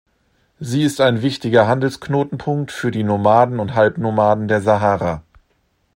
Sie ist ein wichtiger Handelsknotenpunkt für die Nomaden und Halbnomaden der Sahara.